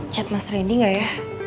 chat mas rendy gak ya